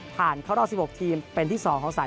เข้ารอบ๑๖ทีมเป็นที่๒ของสาย